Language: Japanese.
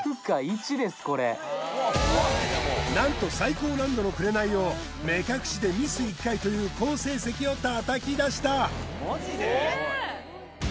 何と最高難度の「紅」を目隠しでミス１回という好成績を叩きだしたすごい！